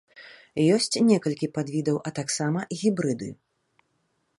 Ёсць некалькі падвідаў, а таксама гібрыды.